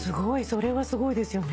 それはすごいですよね。